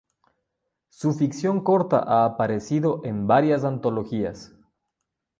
Su ficción corta ha aparecido en varias antologías.